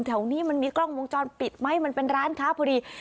แถวนี้มันมีกล้องวงจรปิดไหมมันเป็นร้านค้าพอดี